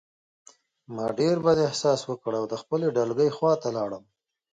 ما ډېر بد احساس وکړ او د خپلې ډلګۍ خواته لاړم